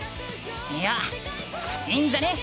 いやいいんじゃね？